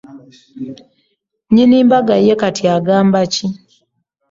Nnyini mbaga ye kati agamba ki?